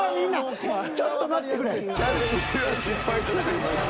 チャレンジ失敗となりました。